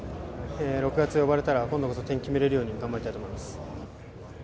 ６月に呼ばれたら今度こそ点を決められるように頑張りたいと思います。